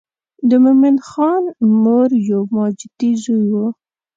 د مومن خان مور یو ماجتي زوی و.